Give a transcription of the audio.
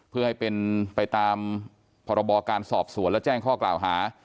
เพื่อให้เป็นไปตามพรบการสอบสวนและแจ้งข้อกล่าวหา